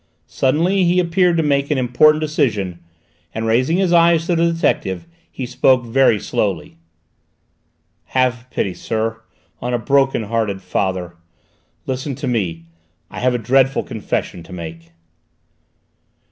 Suddenly he appeared to make an important decision, and raising his eyes to the detective he spoke very slowly: "Have pity, sir, on a broken hearted father. Listen to me: I have a dreadful confession to make!"